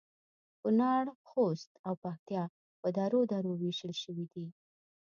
کونړ ، خوست او پکتیا په درو درو ویشل شوي دي